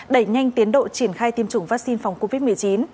đẩy nhanh tiến độ triển khai tiêm chủng vaccine phòng covid một mươi chín